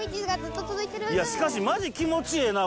しかしマジ気持ちええな